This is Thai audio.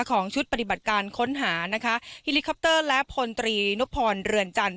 ของชุดปฏิบัติการค้นหานะคะเฮลิคอปเตอร์และพลตรีนพรเรือนจันท